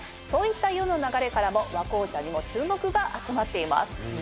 そういった世の流れからも和紅茶にも注目が集まっています。